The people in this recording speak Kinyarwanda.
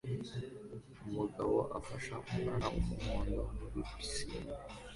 Umugabo afashe umwana wumuhondo muri pisine